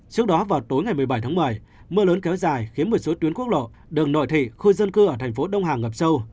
một mươi bảy tháng một mươi mưa lớn kéo dài khiến một số tuyến quốc lộ đường nội thị khu dân cư ở thành phố đông hà ngập sâu